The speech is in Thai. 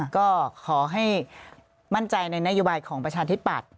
ก็ขอให้มั่นใจในนโยบายของประชาธิปัตย